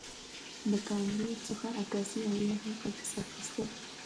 د کامرو څخه عکاسي او یا هم عکس اخیستل